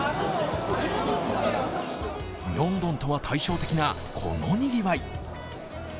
ミョンドンとは対照的な、このにぎわい。